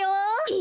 え